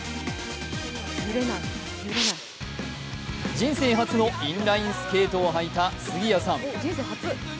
人生初のインラインスケートを履いた杉谷さん。